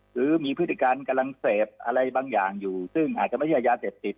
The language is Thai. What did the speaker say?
หรือมีพฤติการกำลังเสพอะไรบางอย่างอยู่ซึ่งอาจจะไม่ใช่ยาเสพติด